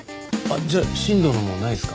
じゃあ新藤のもないですか？